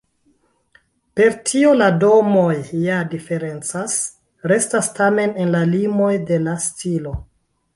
Per tio la domoj ja diferencas, restas tamen en la limoj de la stilo.